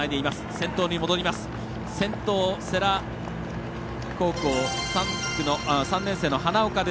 先頭、世羅高校、３年生の花岡。